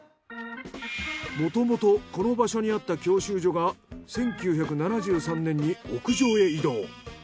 もともとこの場所にあった教習所が１９７３年に屋上へ移動。